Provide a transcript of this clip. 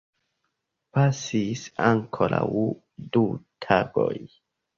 Pasis ankoraŭ du tagoj.